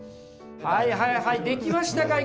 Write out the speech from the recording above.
はいはいはい出来ましたか？